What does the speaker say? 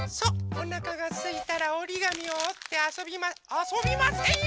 おなかがすいたらおりがみをおってあそびまあそびませんよ！